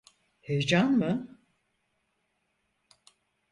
Heyecan mı?